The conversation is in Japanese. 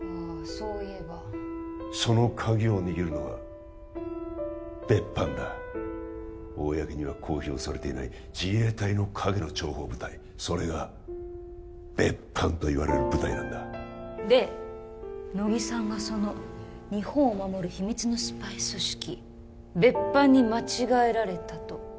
そう言えばそのカギを握るのが別班だ公には公表されていない自衛隊の陰の諜報部隊それが別班といわれる部隊なんだで乃木さんがその日本を守る秘密のスパイ組織別班に間違えられたと？